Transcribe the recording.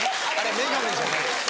眼鏡じゃないです。